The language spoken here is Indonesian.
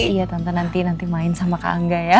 iya tante nanti main sama kak angga ya